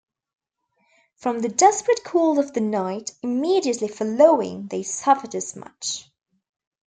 From the desperate cold of the night immediately following they suffered as much.